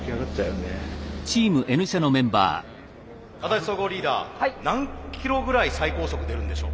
安達総合リーダー何キロぐらい最高速出るんでしょう？